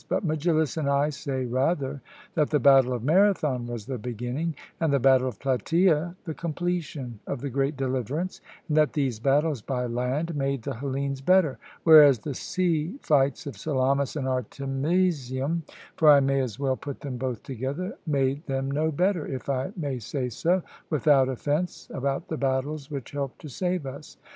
But Megillus and I say rather, that the battle of Marathon was the beginning, and the battle of Plataea the completion, of the great deliverance, and that these battles by land made the Hellenes better; whereas the sea fights of Salamis and Artemisium for I may as well put them both together made them no better, if I may say so without offence about the battles which helped to save us.